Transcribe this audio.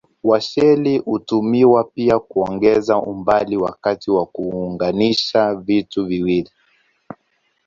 Washeli hutumiwa pia kuongeza umbali wakati wa kuunganisha vitu viwili.